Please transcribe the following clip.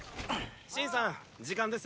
シンさん時間です。